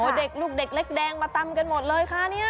โอ้เด็กลูกเด็กแดงมาตำกันหมดเลยค่ะ